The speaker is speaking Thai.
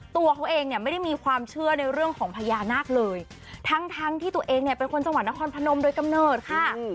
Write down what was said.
ตัวเขาเองเนี่ยไม่ได้มีความเชื่อในเรื่องของพญานาคเลยทั้งทั้งที่ตัวเองเนี่ยเป็นคนจังหวัดนครพนมโดยกำเนิดค่ะ